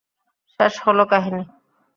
শেষ হলো কাহিনী।